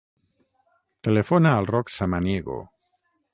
Telefona al Roc Samaniego.